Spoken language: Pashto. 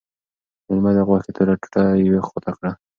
مېلمه د غوښې توره ټوټه یوې خواته کړه.